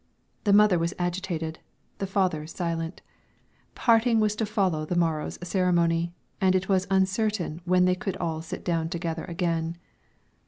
The mother was agitated, the father silent; parting was to follow the morrow's ceremony, and it was uncertain when they could all sit down together again.